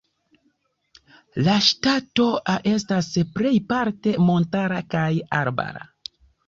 La ŝtato estas plejparte montara kaj arbara.